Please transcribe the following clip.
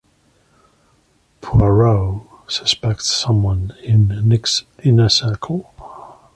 Poirot suspects someone in Nick's inner circle.